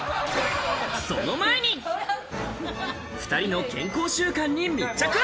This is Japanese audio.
その前に、２人の健康習慣に密着。